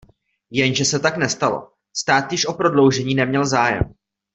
Jenže se tak nestalo, stát již o prodloužení neměl zájem.